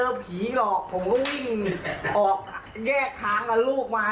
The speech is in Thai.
มีคนอื่นอุ้มมา